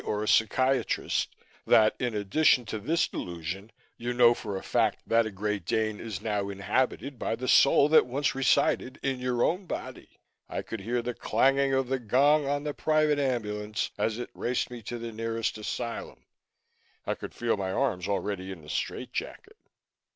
or a psychiatrist that, in addition to this delusion, you know for a fact that a Great Dane is now inhabited by the soul that once resided in your own body. I could hear the clanging of the gong on the private ambulance as it raced me to the nearest asylum, I could feel my arms already in the strait jacket.